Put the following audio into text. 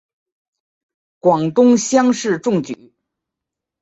广东乡试中举。